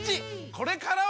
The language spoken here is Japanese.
これからは！